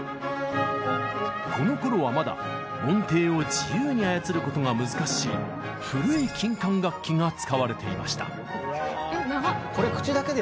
このころはまだ音程を自由に操ることが難しい古い金管楽器が使われていました。